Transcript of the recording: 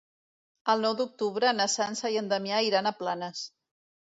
El nou d'octubre na Sança i en Damià iran a Planes.